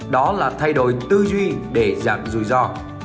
và thay đổi tư duy để giảm rủi ro